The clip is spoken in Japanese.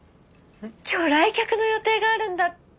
今日来客の予定があるんだった。